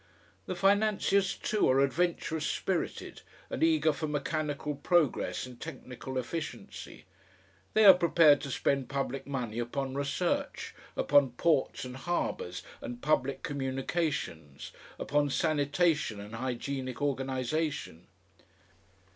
The financiers, too, are adventurous spirited and eager for mechanical progress and technical efficiency. They are prepared to spend public money upon research, upon ports and harbours and public communications, upon sanitation and hygienic organisation.